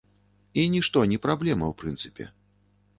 І нішто не праблема, у прынцыпе.